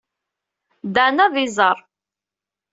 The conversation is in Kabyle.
Dan ad iẓer.